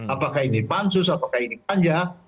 apakah ini pansus apakah ini panjang